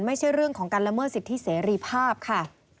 ไม่ใช่เรื่องของการละเมิดสิทธิเสรีภาพค่ะ